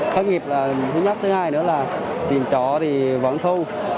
thất nghiệp là thứ nhất thứ hai nữa là tiền trọ thì vẫn thu